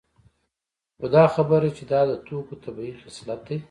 خو دا خبره چې دا د توکو طبیعي خصلت دی